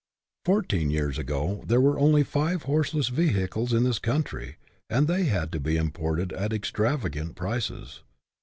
Fourteen years ago there were only five horseless vehicles in this country, and they had been imported at extravagant prices.